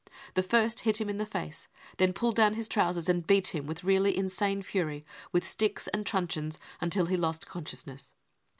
They first hit him in the face, then pulled down his trousers and beat him with really insane fury with sticks and truncheons until he lost conscious ness.